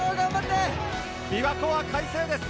琵琶湖は快晴です！